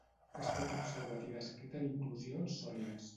Ha estat observat i descrit en inclusions sòlides.